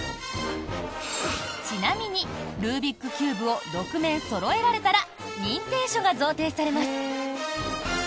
ちなみにルービックキューブを６面そろえられたら認定証が贈呈されます！